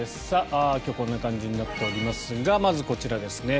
今日、こんな感じになっておりますがまずこちらですね。